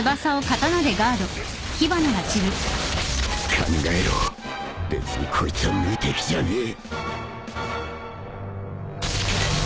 考えろ別にこいつは無敵じゃねえくっ！